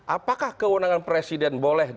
apakah kewenangan presiden boleh